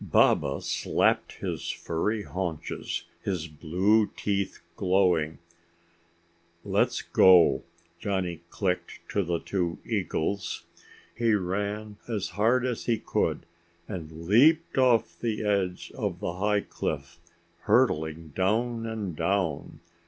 Baba slapped his furry haunches, his blue teeth glowing. "Let's go!" Johnny clicked to the two eagles. He ran as hard as he could and leaped off the edge of the high cliff, hurtling down and down.